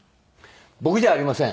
僕じゃありません！